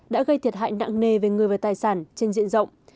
đã gây thiệt hại nặng nề về người và tài sản trên diện rộng